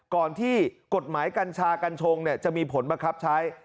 ก่อนที่กฎหมายกัญชากัญชงจะมีผลบังคับใช้